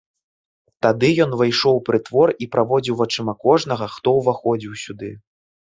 Тады ён увайшоў у прытвор і праводзіў вачыма кожнага, хто ўваходзіў сюды.